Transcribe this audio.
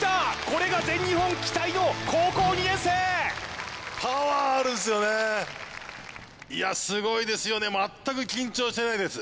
これが全日本期待の高校２年生パワーあるんですよねすごいですよね全く緊張してないです